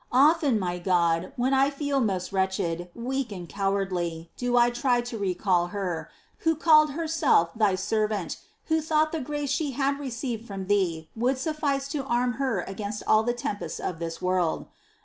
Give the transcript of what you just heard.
Often, my God, when I feel most wretched, weak, and cowardly, do I try to recall her, who called herself Thy servant, who thought the grace she had received from Thee would suffice to arm her against all the tempests of this world.